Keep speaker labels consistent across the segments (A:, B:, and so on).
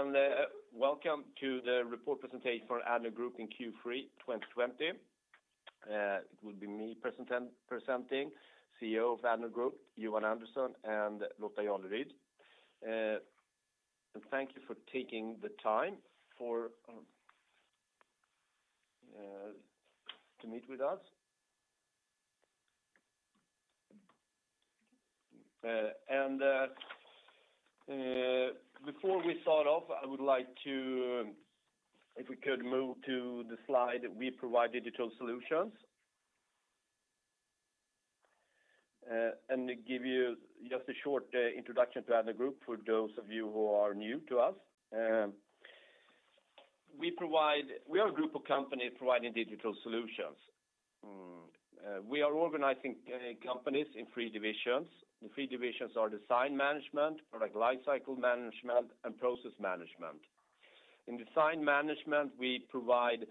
A: Hello, and welcome to the report presentation for Addnode Group in Q3 2020. It will be me presenting, CEO of Addnode Group, Johan Andersson, and Lotta Jarleryd. Thank you for taking the time to meet with us. Before we start off, if we could move to the slide, we provide digital solutions. Give you just a short introduction to Addnode Group for those of you who are new to us. We are a group of companies providing digital solutions. We are organizing companies in three divisions. The three divisions are Design Management, Product Lifecycle Management, and Process Management. In Design Management, we provide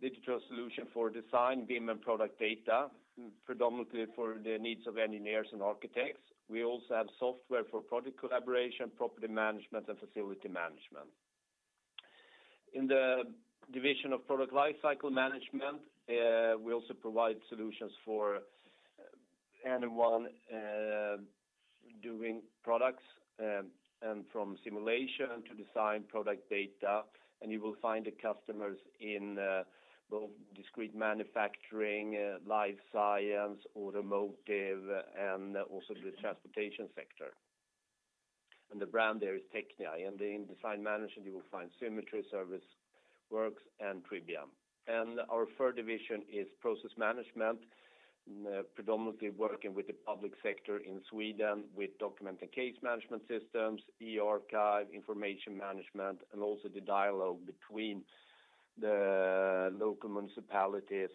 A: digital solutions for design, BIM, and product data, predominantly for the needs of engineers and architects. We also have software for project collaboration, property management, and facility management. In the division of Product Lifecycle Management, we also provide solutions for anyone doing products, from simulation to design and product data. You will find the customers in both discrete manufacturing and life science, automotive, and also the transportation sector. The brand there is TECHNIA. In Design Management you will find Symetri, Service Works, and Tribia. Our third division is Process Management, predominantly working with the public sector in Sweden with document and case management systems, e-archive, information management, and also the dialogue between the local municipalities,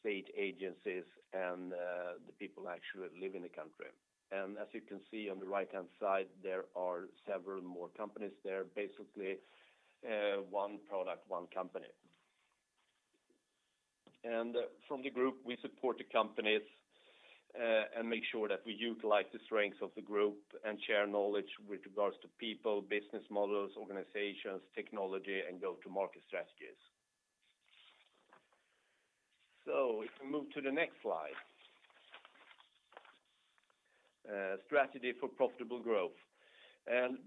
A: state agencies, and the people who actually live in the country. As you can see on the right-hand side, there are several more companies there, basically one product, one company. From the group, we support the companies and make sure that we utilize the strengths of the group and share knowledge with regard to people, business models, organizations, technology, and go-to-market strategies. If we move to the next slide. Strategy for profitable growth.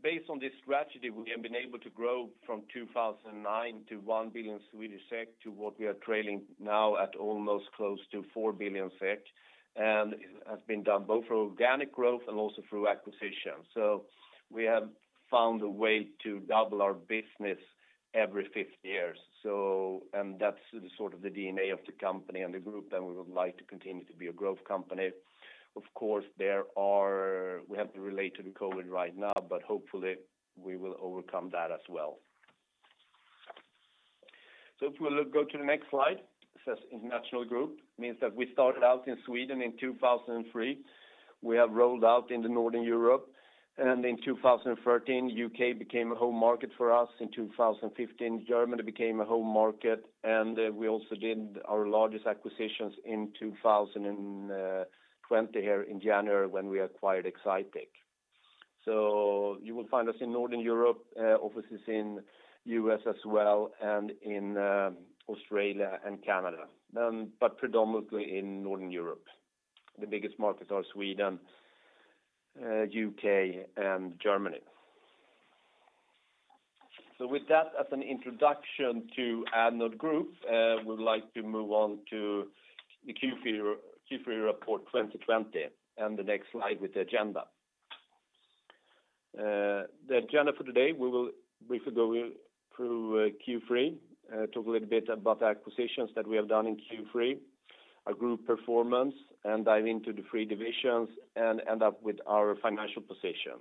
A: Based on this strategy, we have been able to grow from 2009 to 1 billion Swedish SEK to what we are trailing now at almost close to 4 billion SEK. It has been done both through organic growth and also through acquisitions. We have found a way to double our business every fifth year. That's the DNA of the company and the group, and we would like to continue to be a growth company. Of course, we have to relate to the COVID-19 right now, but hopefully we will overcome that as well. If we go to the next slide. It says International Group, means that we started out in Sweden in 2003. We have rolled out into Northern Europe, and in 2013, the U.K. became a home market for us. In 2015, Germany became a home market, and we also did our largest acquisition in 2020 here in January when we acquired Excitech. You will find us in Northern Europe, with offices in the U.S. as well, and in Australia and Canada, but predominantly in Northern Europe. The biggest markets are Sweden, the U.K., and Germany. With that as an introduction to Addnode Group, I would like to move on to the Q3 report 2020, and the next slide with the agenda. The agenda for today: we will briefly go through Q3, talk a little bit about the acquisitions that we have done in Q3, our group performance, and dive into the three divisions, and end up with our financial position.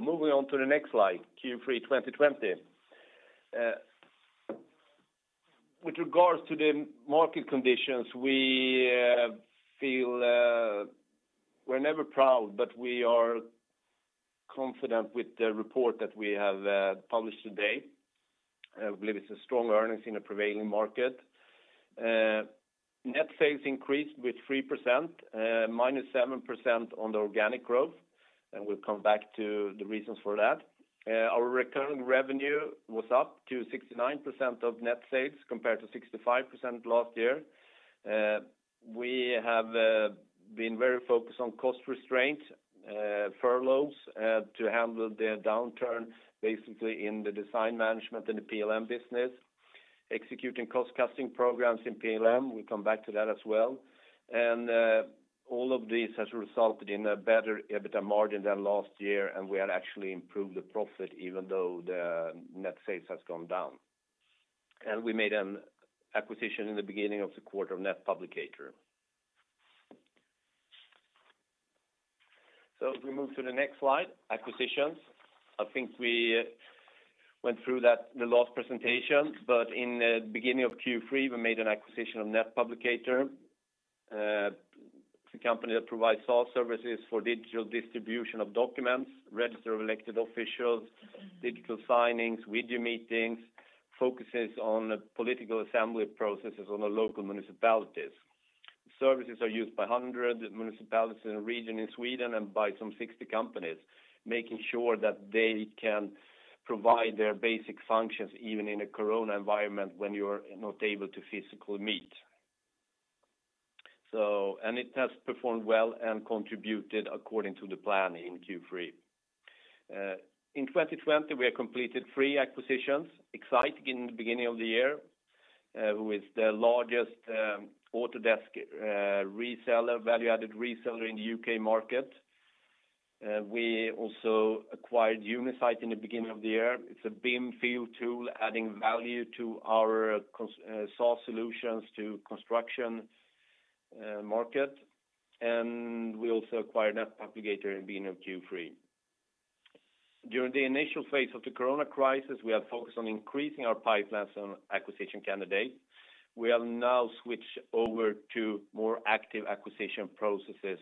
A: Moving on to the next slide, Q3 2020. With regards to the market conditions, we're never proud, but we are confident with the report that we have published today. I believe it's strong earnings in a prevailing market. Net sales increased by 3%, -7% on the organic growth, and we'll come back to the reasons for that. Our recurring revenue was up to 69% of net sales, compared to 65% last year. We have been very focused on cost restraint and furloughs to handle the downturn, basically in the Design Management and PLM business, executing cost-cutting programs in PLM, we'll come back to that as well. All of this has resulted in a better EBITDA margin than last year, and we had actually improved the profit even though the net sales has gone down. We made an acquisition in the beginning of the quarter, Netpublicator. If we move to the next slide, acquisitions. I think we went through that in the last presentation, but in the beginning of Q3, we made an acquisition of Netpublicator. It's a company that provides SaaS services for digital distribution of documents, a register of elected officials, digital signings, and video meetings. Focuses on political assembly processes in the local municipalities. Services are used by 100 municipalities in a region in Sweden and by some 60 companies, making sure that they can provide their basic functions, even in a COVID-19 environment when you are not able to physically meet. It has performed well and contributed according to the plan in Q3. In 2020, we have completed three acquisitions. Excitech in the beginning of the year, with the largest Autodesk value-added reseller in the U.K. market. We also acquired Unizite at the beginning of the year. It's a BIM field tool adding value to our SaaS solutions to the construction market. We also acquired Netpublicator at the beginning of Q3. During the initial phase of the corona crisis, we have focused on increasing our pipelines of acquisition candidates. We have now switched over to more active acquisition processes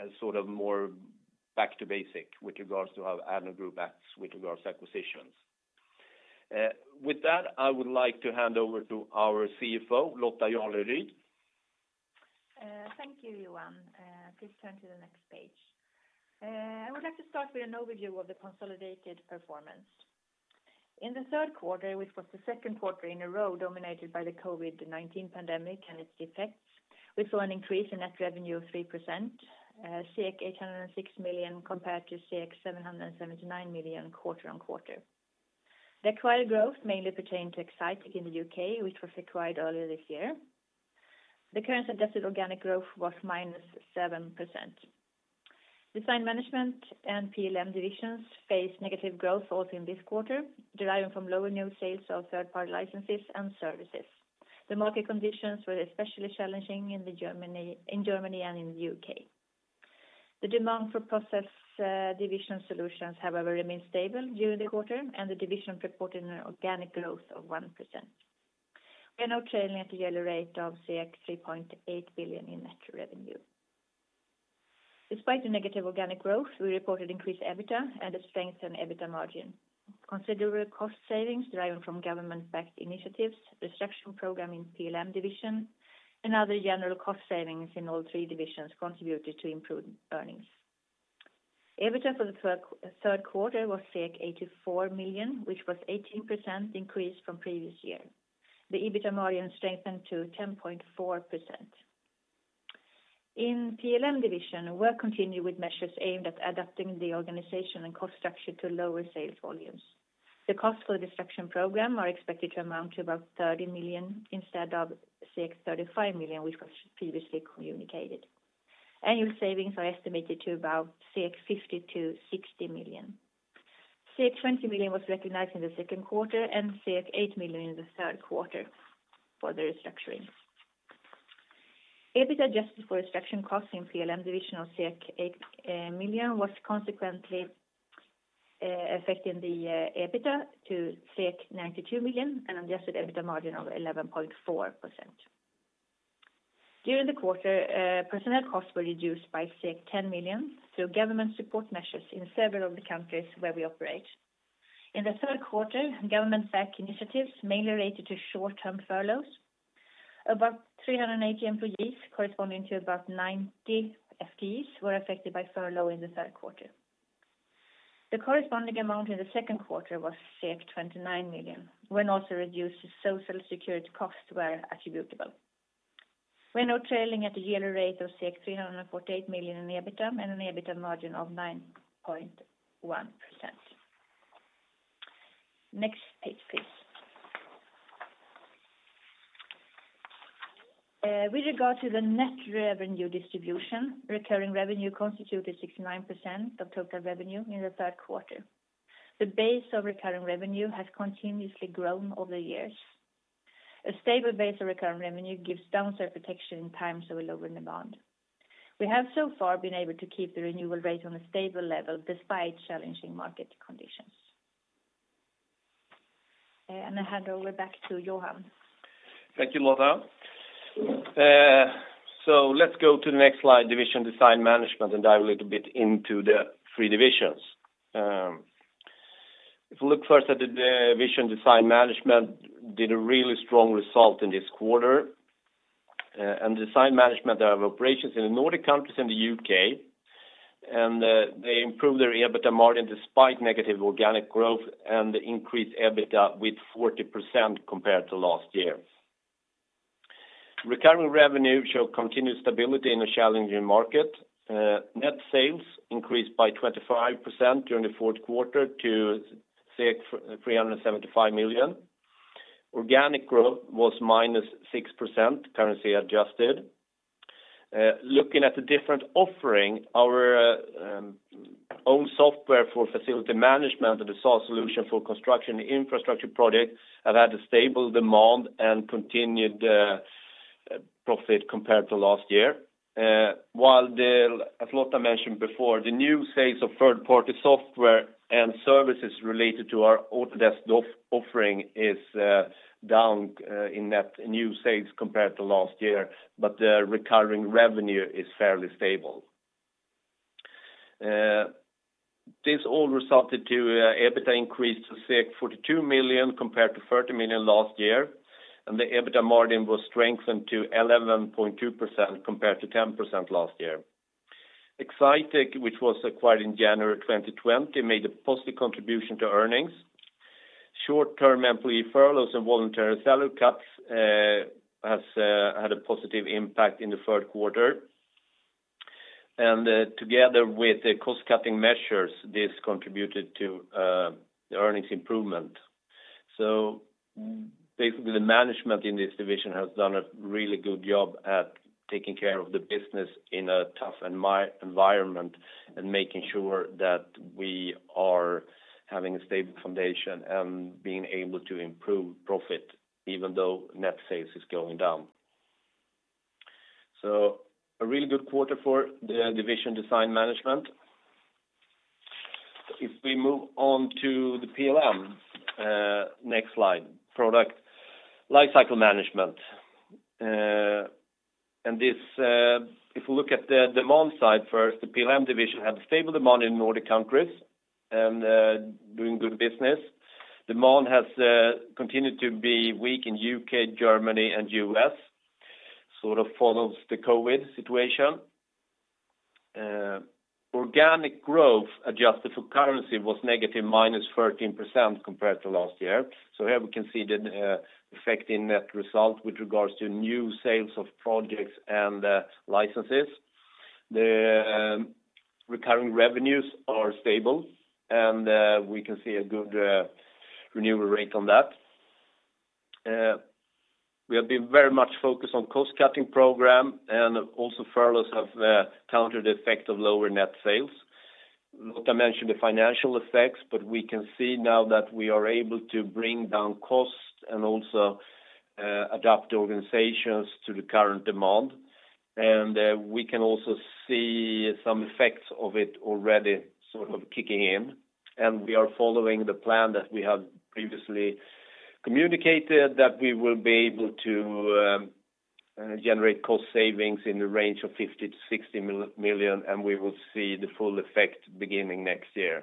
A: as more basic with regard to our Addnode Group acts with regard to acquisitions. With that, I would like to hand over to our CFO, Lotta Jarleryd.
B: Thank you, Johan. Please turn to the next page. I would like to start with an overview of the consolidated performance. In the third quarter, which was the second quarter in a row dominated by the COVID-19 pandemic and its effects, we saw an increase in net revenue of 3%, 806 million compared to 779 million quarter-on-quarter. The acquired growth mainly pertained to Excitech in the U.K., which was acquired earlier this year. The currency-adjusted organic growth was -7%. Design Management and PLM divisions faced negative growth also in this quarter, deriving from lower new sales of third-party licenses and services. The market conditions were especially challenging in Germany and in the U.K. The demand for Process Management solutions, however, remained stable during the quarter, and the division reported an organic growth of 1%. We are now trailing at a yearly rate of 3.8 billion in net revenue. Despite the negative organic growth, we reported increased EBITDA and a strength in EBITDA margin. Considerable cost savings deriving from government-backed initiatives, the restructuring program in the PLM division, and other general cost savings in all three divisions contributed to improved earnings. EBITDA for the third quarter was 84 million, which was an 18% increase from the previous year. The EBITDA margin strengthened to 10.4%. In the PLM division, work continued with measures aimed at adapting the organization and cost structure to lower sales volumes. The costs for the restructuring program are expected to amount to about 30 million instead of 35 million, which was previously communicated. Annual savings are estimated to be about 50 million-60 million. 20 million was recognized in the second quarter and 8 million in the third quarter for the restructuring. EBITDA adjusted for restructuring costs in the PLM division of 8 million was consequently affecting the EBITDA to 92 million and the adjusted EBITDA margin of 11.4%. During the quarter, personnel costs were reduced by 10 million through government support measures in several of the countries where we operate. In the third quarter, government-backed initiatives mainly related to short-term furloughs. About 380 employees, corresponding to about 90 FTEs, were affected by furlough in the third quarter. The corresponding amount in the second quarter was 29 million, when also reduced social security costs were attributable. We are now trailing at a yearly rate of 348 million in EBITDA and an EBITDA margin of 9.1%. Next page, please. With regard to the net revenue distribution, recurring revenue constituted 69% of total revenue in the third quarter. The base of recurring revenue has continuously grown over the years. A stable base of recurring revenue gives downside protection in times of lower demand. We have so far been able to keep the renewal rate on a stable level despite challenging market conditions. I hand it over back to Johan.
A: Thank you, Lotta. Let's go to the next slide, division Design Management, and dive a little bit into the three divisions. If you look first at the division, Design Management, it did a really strong job this quarter. Design Management has operations in the Nordic countries and the U.K., and they improved their EBITDA margin despite negative organic growth and increased EBITDA by 40% compared to last year. Recurring revenue showed continued stability in a challenging market. Net sales increased by 25% during the third quarter to 375 million. Organic growth was -6%, currency-adjusted. Looking at the different offerings, our own software for facilities management and the SaaS solution for construction infrastructure projects have had a stable demand and continued profit compared to last year. While, as Lotta mentioned before, the new sales of third-party software and services related to our Autodesk offering are down in net new sales compared to last year, the recurring revenue is fairly stable. This all resulted in an EBITDA increase to 42 million compared to 30 million last year, and the EBITDA margin was strengthened to 11.2% compared to 10% last year. Excitech, which was acquired in January 2020, made a positive contribution to earnings. Short-term employee furloughs and voluntary salary cuts had a positive impact in the third quarter. Together with the cost-cutting measures, this contributed to the earnings improvement. Basically, the management in this division has done a really good job at taking care of the business in a tough environment and making sure that we are having a stable foundation and being able to improve profit, even though net sales are going down. A really good quarter for the division Design Management. If we move on to the PLM, the next slide is Product Lifecycle Management. If we look at the demand side first, the PLM division had stable demand in Nordic countries and is doing good business. Demand has continued to be weak in the U.K., Germany, and U.S., sort of follows the COVID-19 situation. Organic growth adjusted for currency was negative -13% compared to last year. Here we can see the effect on the net result with regards to new sales of projects and licenses. The recurring revenues are stable, and we can see a good renewal rate on that. We have been very much focused on a cost-cutting program, and also furloughs have countered the effect of lower net sales. Lotta mentioned the financial effects. We can see now that we are able to bring down costs and also adapt organizations to the current demand. We can also see some effects of it already sort of kicking in. We are following the plan that we have previously communicated that we will be able to generate cost savings in the range of 50 million-60 million, and we will see the full effect beginning next year.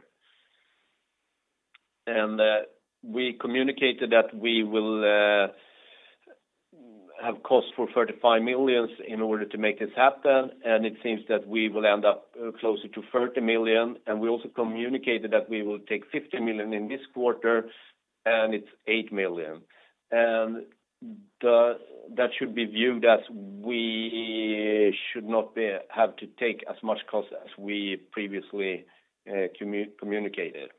A: We communicated that we will have cost for 35 million in order to make this happen, and it seems that we will end up closer to 30 million. We also communicated that we will take 15 million in this quarter, and it's 8 million. That should be viewed as we should not have to take as much cost as we previously communicated.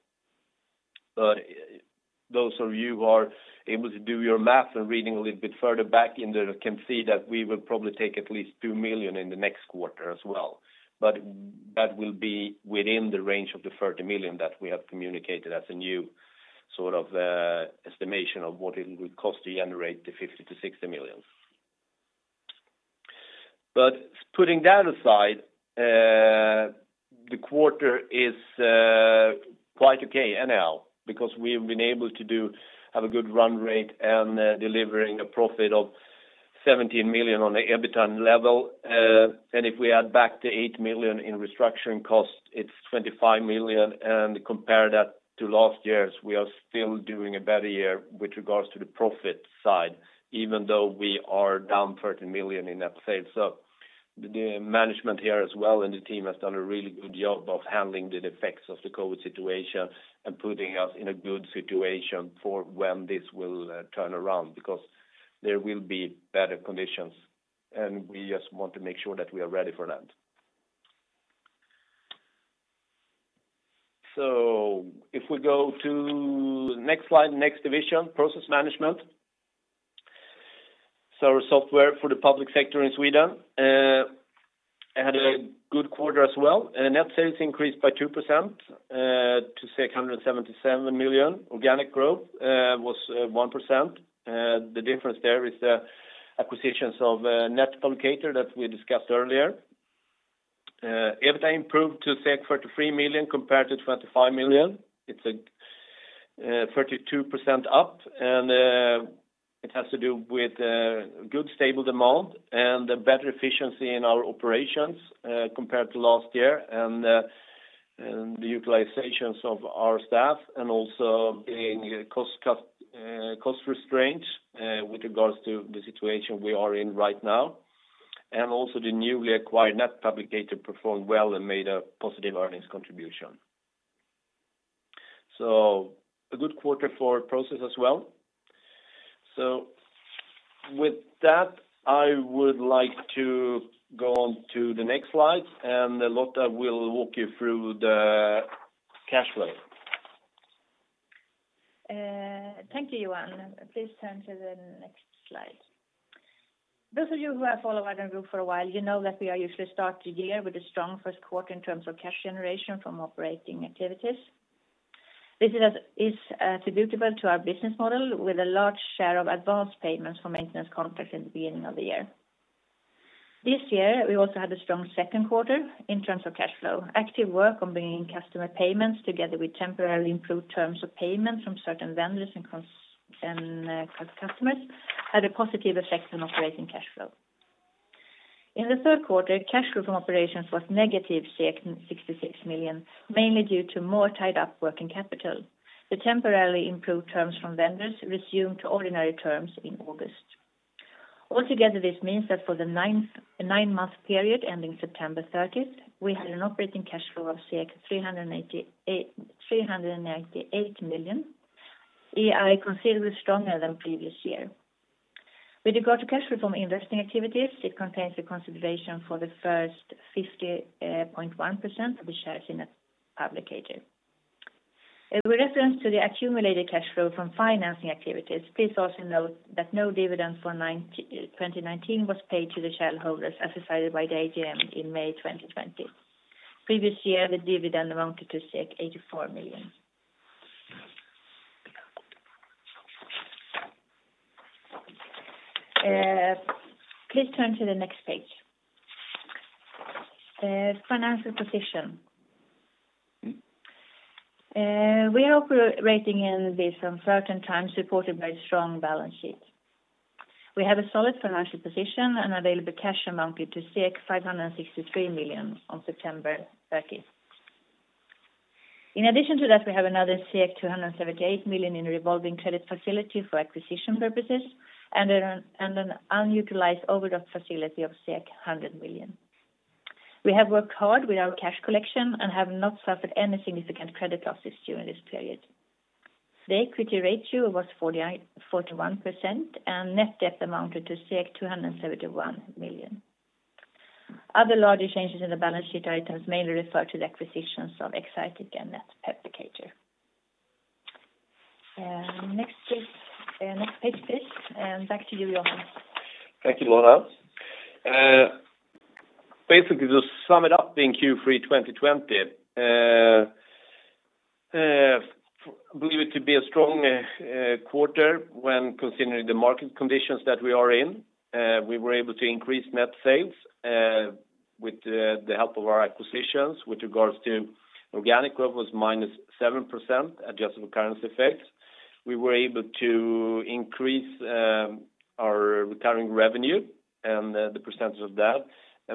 A: Those of you who are able to do your math and reading a little bit further back in there can see that we will probably take at least 2 million in the next quarter as well. That will be within the range of the 30 million that we have communicated as a new sort of estimation of what it would cost to generate the 50 million–60 million. Putting that aside, the quarter is quite okay now because we've been able to have a good run rate and deliver a profit of 17 million on the EBITDA level. If we add back the 8 million in restructuring cost, it's 25 million. Compare that to last year's; we are still having a better year with regards to the profit side, even though we are down 30 million in net sales. The management here as well, and the team has done a really good job of handling the effects of the COVID-19 situation and putting us in a good situation for when this will turn around because there will be better conditions, and we just want to make sure that we are ready for that. If we go to the next slide, the next division, Process Management. Software for the public sector in Sweden had a good quarter as well. Net sales increased by 2% to 677 million. Organic growth was 1%. The difference there is the acquisition of Netpublicator that we discussed earlier. EBITDA improved to 33 million compared to 25 million. It is a 32% increase, and it has to do with good, stable demand and better efficiency in our operations compared to last year, the utilization of our staff, and also the cost restraint with regard to the situation we are in right now. Also, the newly acquired Netpublicator performed well and made a positive earnings contribution. A good quarter for Process as well. With that, I would like to go on to the next slide, and Lotta will walk you through the cash flow.
B: Thank you, Johan. Please turn to the next slide. Those of you who have followed Addnode Group for a while, you know that we usually start the year with a strong first quarter in terms of cash generation from operating activities. This is attributable to our business model with a large share of advanced payments for maintenance contracts at the beginning of the year. This year, we also had a strong second quarter in terms of cash flow. Active work on bringing customer payments together with temporarily improved terms of payment from certain vendors and customers had a positive effect on operating cash flow. In the third quarter, cash flow from operations was negative 66 million, mainly due to more tied-up working capital. The temporarily improved terms from vendors reverted to ordinary terms in August. Altogether, this means that for the nine-month period ending September 30th, we had an operating cash flow of 398 million, i.e., considerably stronger than the previous year. With regard to cash flow from investing activities, it contains the consideration for the first 50.1% of the shares in Netpublicator. With reference to the accumulated cash flow from financing activities, please also note that no dividend for 2019 was paid to the shareholders as decided by the AGM in May 2020. Previous year, the dividend amounted to 84 million. Please turn to the next page. Financial position. We are operating in these uncertain times supported by a strong balance sheet. We have a solid financial position, and available cash amounted to 563 million on September 30th. In addition to that, we have another 278 million in a revolving credit facility for acquisition purposes and an unutilized overdraft facility of 100 million. We have worked hard with our cash collection and have not suffered any significant credit losses during this period. The equity ratio was 41%, and net debt amounted to 271 million. Other larger changes in the balance sheet items mainly refer to the acquisitions of Excitech and Netpublicator. Next page, please, and back to you, Johan.
A: Thank you, Lotta. Basically, to sum it up in Q3 2020, I believe it to be a strong quarter when considering the market conditions that we are in. We were able to increase net sales with the help of our acquisitions. With regards to organic growth, it was -7% adjustable currency effects. We were able to increase our recurring revenue and the percentage of that.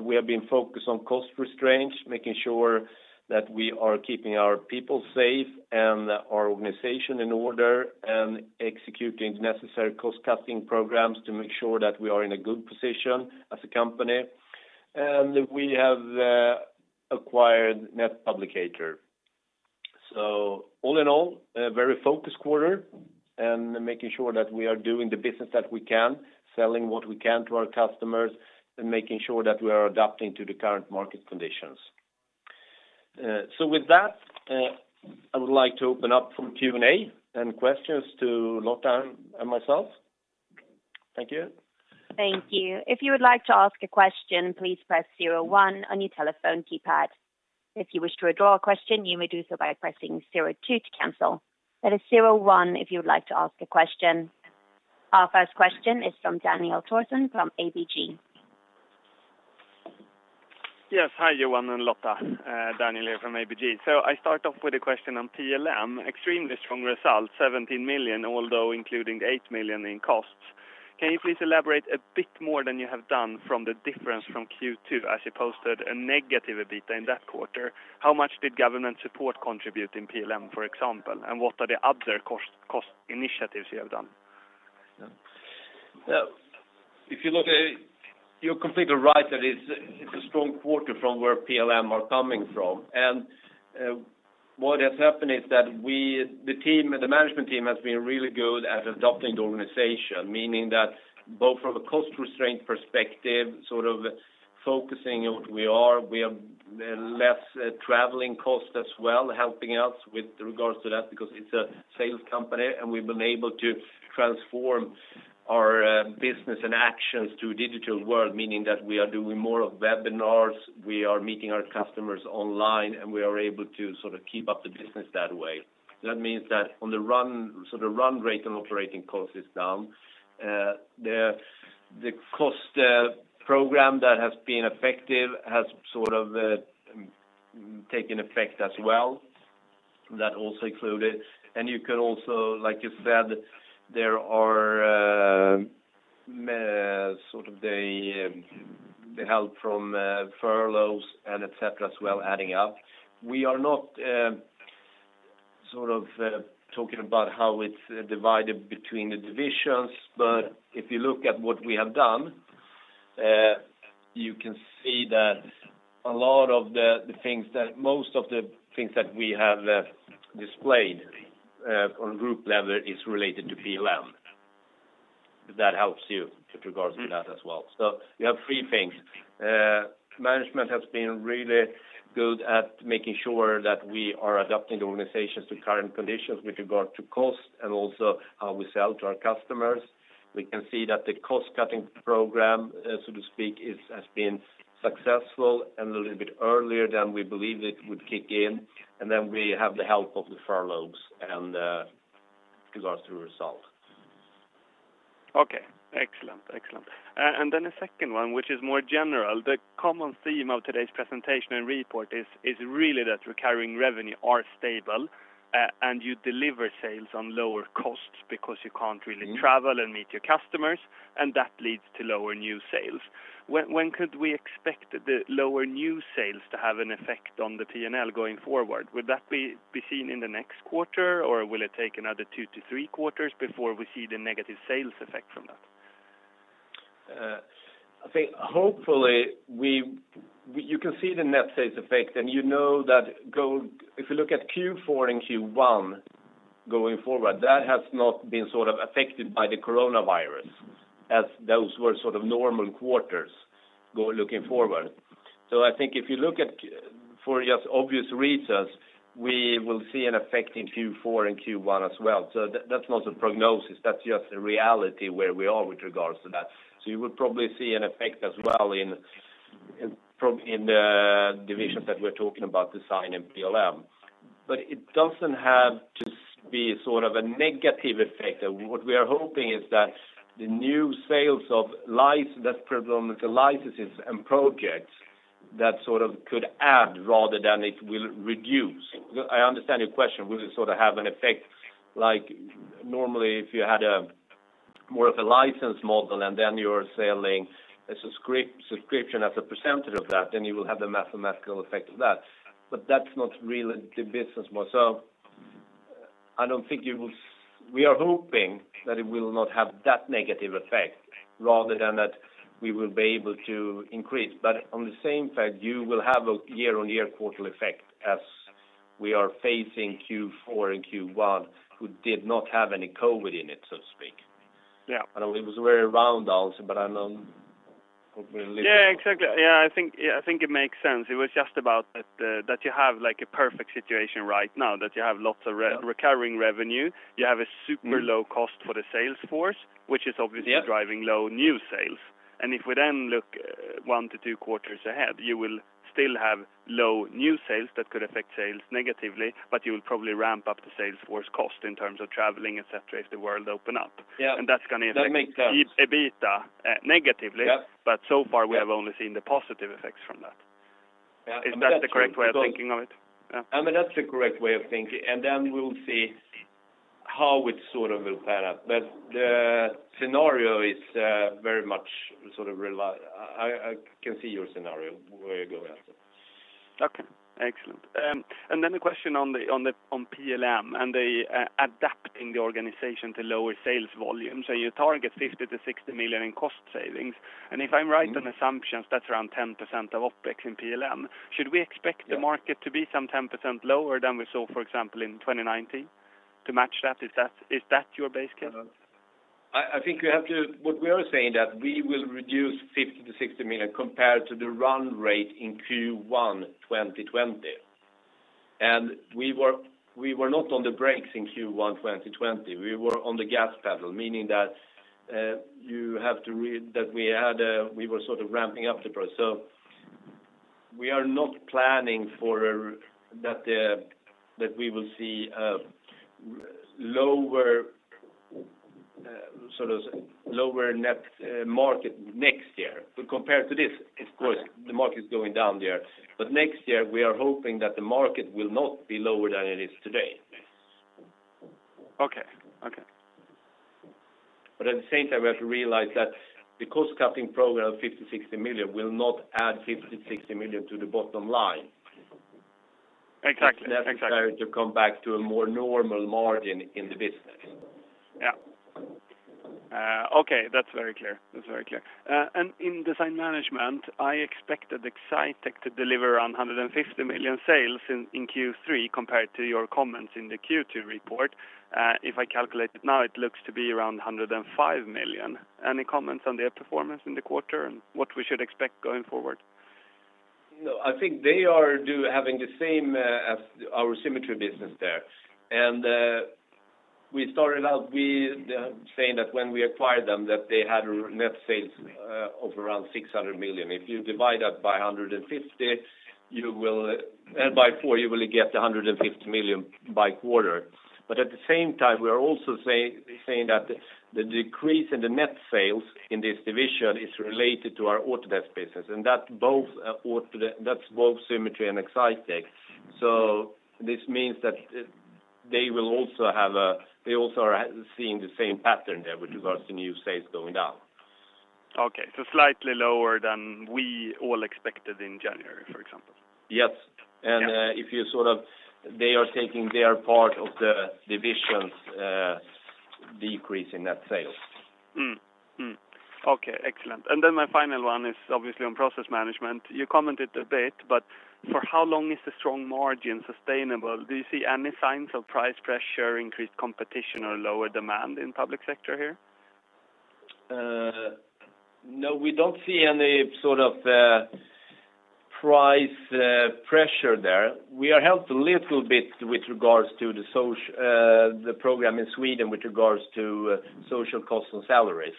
A: We have been focused on cost restraints, making sure that we are keeping our people safe and our organization in order, and executing the necessary cost-cutting programs to make sure that we are in a good position as a company. We have acquired Netpublicator. All in all, a very focused quarter and making sure that we are doing the business that we can, selling what we can to our customers, and making sure that we are adapting to the current market conditions. With that, I would like to open up for Q&A and questions to Lotta and myself. Thank you.
C: Thank you. If you would like to ask a question, please press zero-one on your telephone keypad. If you wish to withdraw a question, you may do so by pressing zero, two to cancel. That is zero-one if you would like to ask a question. Our first question is from Daniel Thorsson from ABG.
D: Yes. Hi, Johan and Lotta. Daniel here from ABG. I start off with a question on PLM. Extremely strong results, 17 million, although including 8 million in costs. Can you please elaborate a bit more than you have done on the difference from Q2, as you posted a negative EBITDA in that quarter? How much did government support contribute to PLM, for example, and what are the other cost initiatives you have done?
A: You're completely right that it's a strong quarter from where PLM is coming from. What has happened is that the management team has been really good at adapting the organization, meaning that both from a cost restraint perspective, sort of focusing on where we are. We have less traveling cost as well, helping us with regards to that because it's a sales company, and we've been able to transform our business and actions to a digital world, meaning that we are doing more of webinars, we are meeting our customers online, and we are able to keep up the business that way. That means that the run rate on operating costs is down. The cost program that has been effective has sort of taken effect as well. You can also, like you said, add up the help from furloughs, etc. We are not talking about how it's divided between the divisions, but if you look at what we have done, you can see that most of the things that we have displayed on a group level are related to PLM. That helps you with regards to that as well. You have three things. Management has been really good at making sure that we are adapting the organizations to current conditions with regard to cost and also how we sell to our customers. We can see that the cost-cutting program, so to speak, has been successful and a little bit earlier than we believe it would kick in. Then we have the help of the furloughs in regards to the result.
D: Okay. Excellent. A second one, which is more general. The common theme of today's presentation and report is really that recurring revenue are stable, and you deliver sales at lower costs because you can't really travel and meet your customers, and that leads to lower new sales. When could we expect the lower new sales to have an effect on the P&L going forward? Would that be seen in the next quarter, or will it take another two to three quarters before we see the negative sales effect from that?
A: I think, hopefully, you can see the net sales effect, you know that if you look at Q4 and Q1 going forward, that has not been affected by the coronavirus, as those were normal quarters looking forward. I think if you look at, for just obvious reasons, we will see an effect in Q4 and Q1 as well. That's not a prognosis; that's just a reality where we are with regards to that. You will probably see an effect as well in the divisions that we're talking about, design and PLM. It doesn't have to be a negative effect. What we are hoping is that the new sales of licenses and projects could add rather than reduce. I understand your question, will it have an effect like normally if you had more of a license model and then you're selling a subscription as a percentage of that, then you will have the mathematical effect of that. That's not really the business model. We are hoping that it will not have that negative effect, rather than that we will be able to increase. On the same fact, you will have a year-on-year quarterly effect as we are facing Q4 and Q1, which did not have any COVID-19 in it, so to speak.
D: Yeah.
A: It was very round also, but I know hopefully—
D: Exactly. I think it makes sense. It was just about that you have a perfect situation right now, that you have lots of recurring revenue. You have a super low cost for the sales force, which is obviously driving low new sales. If we then look one-two quarters ahead, you will still have low new sales that could affect sales negatively, but you will probably ramp up the sales force cost in terms of traveling, et cetera, if the world opens up.
A: Yeah.
D: And that's going to affect-
A: That makes sense.
D: EBITDA negatively.
A: Yeah.
D: So far, we have only seen the positive effects from that.
A: Yeah.
D: Is that the correct way of thinking of it? Yeah.
A: That's the correct way of thinking, and then we'll see how it will pan out. The scenario is very much real. I can see your scenario, where you're going after.
D: Okay. Excellent. A question on PLM and adapting the organization to lower sales volumes. You target 50 million-60 million in cost savings. If I'm right on assumptions, that's around 10% of OpEx in PLM. Should we expect the market to be some 10% lower than we saw, for example, in 2019 to match that? Is that your base case?
A: What we are saying is that we will reduce 50 million-60 million compared to the run rate in Q1 2020. We were not on the brakes in Q1 2020. We were on the gas pedal, meaning that we were ramping up the price. We are not planning that we will see a lower net market next year compared to this. Of course, the market's going down there. Next year, we are hoping that the market will not be lower than it is today.
D: Okay.
A: At the same time, we have to realize that the cost-cutting program, 50 million and 60 million, will not add 50 million and 60 million to the bottom line.
D: Exactly.
A: That's compared to coming back to a more normal margin in the business.
D: Yeah. Okay. That's very clear. In Design Management, I expected Excitech to deliver around 150 million in sales in Q3 compared to your comments in the Q2 report. If I calculate it now, it looks to be around 105 million. Any comments on their performance in the quarter and what we should expect going forward?
A: No, I think they are having the same as our Symetri business there. We started out saying that when we acquired them, they had net sales of around 600 million. If you divide that by four, you will get 150 million by quarter. At the same time, we are also saying that the decrease in the net sales in this division is related to our Autodesk business, and that's both Symetri and Excitech. This means that they also are seeing the same pattern there with regards to new sales going down.
D: Okay, slightly lower than we all expected in January, for example.
A: Yes.
D: Yeah.
A: They are taking their part of the division's decrease in that sale.
D: Okay, excellent. My final one is obviously on Process Management. You commented a bit; for how long is the strong margin sustainable? Do you see any signs of price pressure, increased competition, or lower demand in the public sector here?
A: No, we don't see any price pressure there. We are helped a little bit with regards to the program in Sweden with regards to social costs and salaries.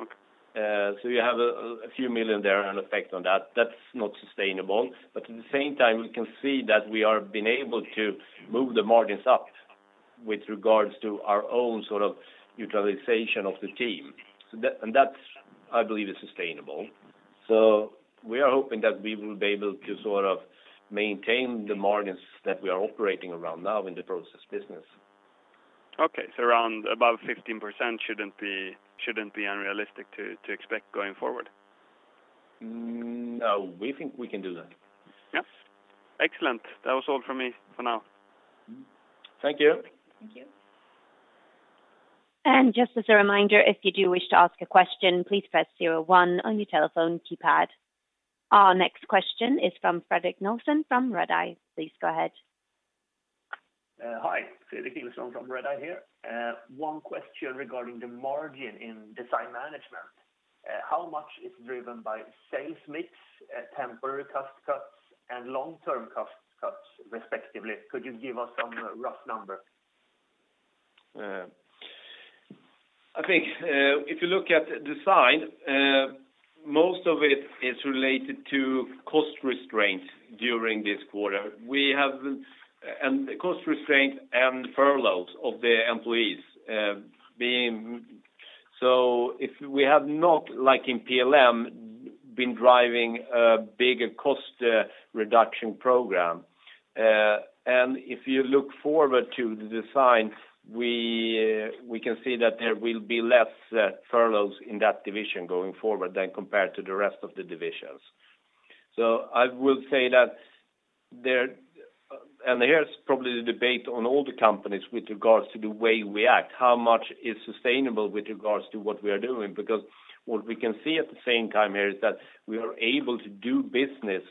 D: Okay.
A: You have a few million dollar there, an effect on that. That's not sustainable. At the same time, we can see that we have been able to move the margins up with regard to our own utilization of the team. That, I believe, is sustainable. We are hoping that we will be able to maintain the margins that we are operating around now in the process business.
D: Okay. Around 15% shouldn't be unrealistic to expect going forward?
A: No, we think we can do that.
D: Yes. Excellent. That was all from me for now.
A: Thank you.
B: Thank you.
C: Just as a reminder, if you do wish to ask a question, please press zero one on your telephone keypad. Our next question is from Fredrik Nilsson from Redeye. Please go ahead.
E: Hi. Fredrik Nilsson from Redeye here. One question regarding the margin in Design Management. How much is driven by sales mix, temporary cost cuts, and long-term cost cuts, respectively? Could you give us some rough numbers?
A: I think, if you look at design, most of it is related to cost restraints during this quarter. Cost restraints and furloughs of the employees. We have not, like in PLM, been driving a big cost reduction program. If you look forward to the design, we can see that there will be less furloughs in that division going forward than compared to the rest of the divisions. Here's probably the debate on all the companies with regards to the way we act, how much is sustainable with regards to what we are doing, because what we can see at the same time here is that we are able to do business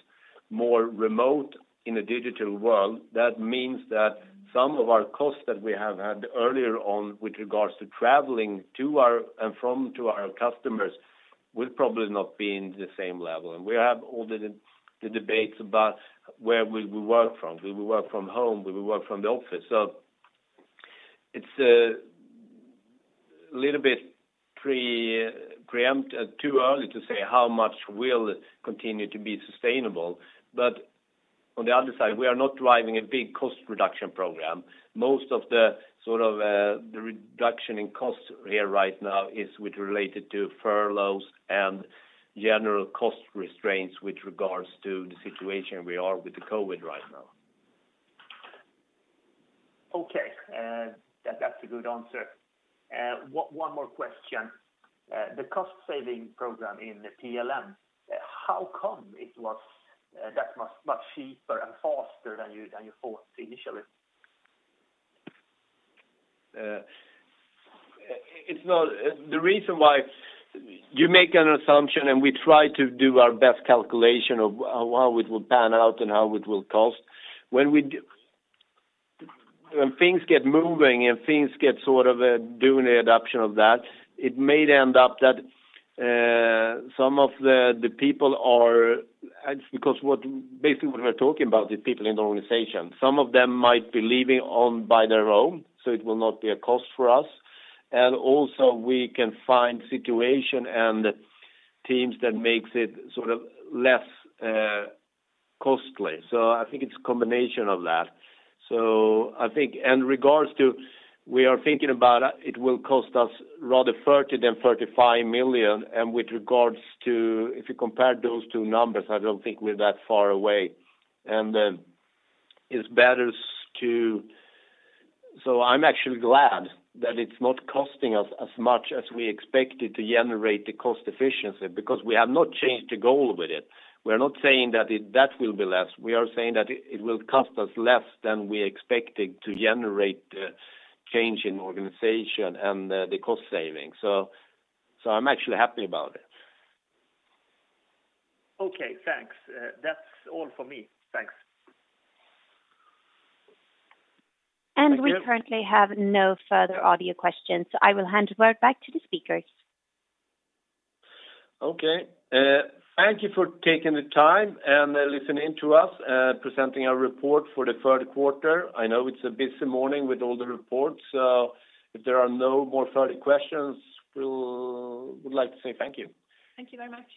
A: more remotely in a digital world. That means that some of our costs that we have had earlier on with regards to traveling to and from our customers will probably not be at the same level. We have all the debates about where we will work from. Will we work from home? Will we work from the office? It's a little bit too early to say how much will continue to be sustainable. On the other side, we are not driving a big cost reduction program. Most of the reduction in costs here right now is related to furloughs and general cost restraints with regards to the situation we are in with COVID-19 right now.
E: Okay. That's a good answer. One more question. The cost-saving program in PLM—how come it was that much cheaper and faster than you thought initially?
A: The reason why you make an assumption, and we try to do our best calculation of how it will pan out and how much it will cost. When things get moving and things get done with the adoption of that, it may end up that some of the people are, because basically what we're talking about is people in the organization. Some of them might be leaving on by their own, so it will not be a cost for us. Also, we can find situations and teams that make it less costly. I think it's a combination of that. We are thinking about it costing us rather 30 than 35 million, and with regards to, if you compare those two numbers, I don't think we're that far away. I'm actually glad that it's not costing us as much as we expected to generate the cost efficiency because we have not changed the goal with it. We are not saying that that will be less. We are saying that it will cost us less than we expected to generate change in the organization and the cost savings. I'm actually happy about it.
E: Okay, thanks. That's all for me. Thanks.
A: Thank you.
C: We currently have no further audio questions, so I will hand it right back to the speakers.
A: Okay. Thank you for taking the time and listening to us presenting our report for the third quarter. I know it's a busy morning with all the reports. If there are no more further questions, we would like to say thank you.
B: Thank you very much.